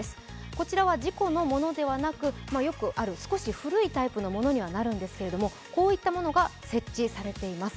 こちらは事故のものではなくよくある少し古いタイプのものにはなるんですけれどもこういったものが設置されています。